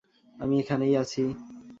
আমি এখানেই আছি।